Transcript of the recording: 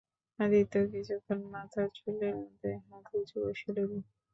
আদিত্য কিছুক্ষণ মাথার চুলের মধ্যে হাত গুঁজে বসে রইল।